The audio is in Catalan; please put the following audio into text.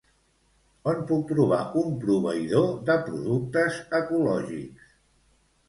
On puc trobar un proveïdor de productes ecològics?